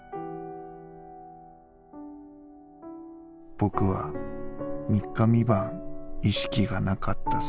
僕は３日３晩意識が無かったそうだ」。